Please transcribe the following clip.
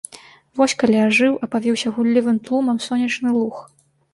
Вось калі ажыў, апавіўся гуллівым тлумам сонечны луг.